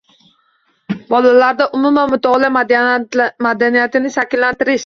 Bolalarda umuman mutolaa madaniyatini shakllantirish